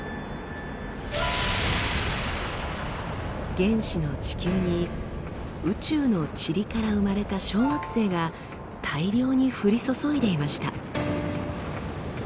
原始の地球に宇宙のチリから生まれた小惑星が大量に降り注いでいました。